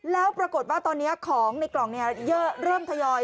แล้วปรากฏว่าตอนนี้ของในกล่องเริ่มทยอย